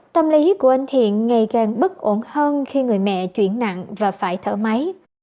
tâm lý của anh thiện ngày càng bất ổn hơn khi người mẹ chuyển nặng và phải thở máy